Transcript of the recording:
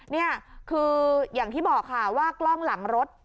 นี่คืออย่างที่บอกค่ะว่ากล้องหลังรถ